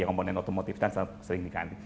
komponen otomotif kan sering diganti